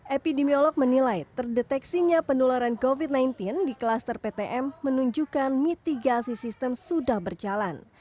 epidemiolog menilai terdeteksinya penularan covid sembilan belas di kluster ptm menunjukkan mitigasi sistem sudah berjalan